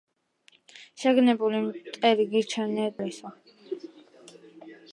შეგნებული მტერი გირჩევნოდეს, შეუგნებელ მოყვარესო.